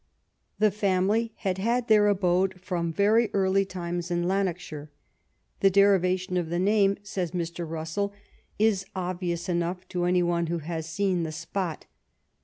The family had had their abode from very early times in Lanarkshire. " The derivation of the name," says Mr. Russell, "is obvious enough to any one who has seen the spot.